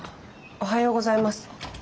おはようございます。